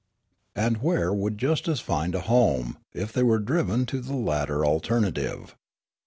And where would justice find a home, if they were driven to the latter alternative